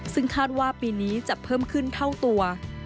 ซึ่งคาดว่าปีนี้จะเพิ่มขึ้นเท่าตัว